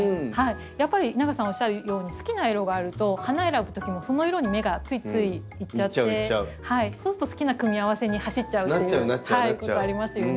やっぱり稲垣さんおっしゃるように好きな色があると花選ぶときもその色に目がついつい行っちゃってそうすると好きな組み合わせに走っちゃうっていうことありますよね。